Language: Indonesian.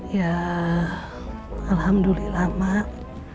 ya alhamdulillah mak